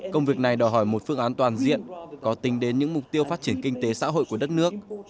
công việc này đòi hỏi một phương án toàn diện có tính đến những mục tiêu phát triển kinh tế xã hội của đất nước